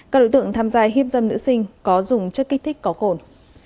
các đối tượng tham gia hiếp dâm nữ sinh có dùng chất kích thích có cồn